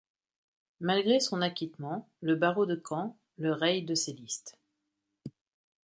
Malgré son acquittement, le barreau de Caen le raye de ses listes.